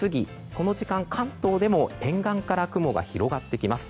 この時間、関東でも沿岸から雲が広がってきます。